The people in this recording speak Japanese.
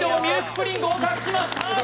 プリン合格しました！